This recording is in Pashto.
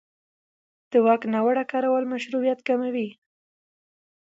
د واک ناوړه کارول مشروعیت کموي